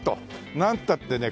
なんたってね